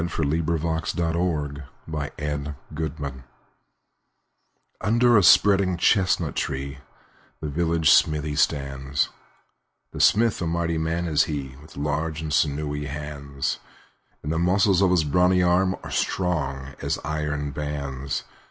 The Village Blacksmith UNDER a spreading chestnut tree The village smithy stands; The smith, a mighty man is he, With large and sinewy hands; And the muscles of his brawny arm Are strong as iron bands.